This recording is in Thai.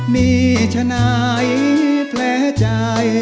มีชนายแพร่ใจ